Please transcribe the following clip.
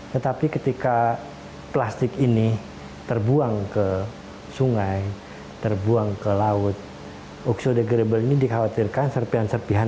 tetapi ketika plastik ini terbuang ke sungai terbuang ke laut oksodegrable ini dikhawatirkan serpian serpihan